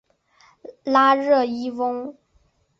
拉热伊翁。